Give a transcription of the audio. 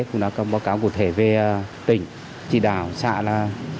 cũng đã có báo cáo cụ thể về tỉnh trị đảo xã